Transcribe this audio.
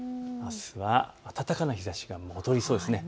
あすは暖かな日ざしが戻りそうです。